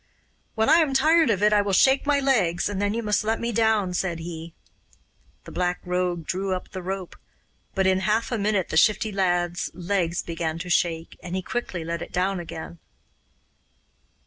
'When I am tired of it I will shake my legs, and then you must let me down,' said he. The Black Rogue drew up the rope, but in half a minute the Shifty Lad's legs began to shake, and he quickly let it down again.